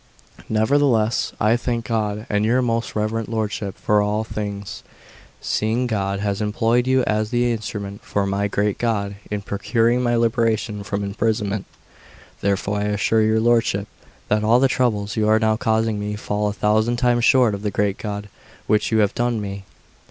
Nevertheless, I thank God and your most reverend lordship for all things, seeing God has employed you as the instrument for my great good in procuring my liberation from imprisonment. Therefore I assure your lordship that all the troubles you are now causing me fall a thousand times short of the great good which you have done me.